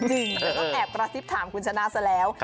อะต้องแอบผมแปรซิปถามคุณชนะเส้าแล้ว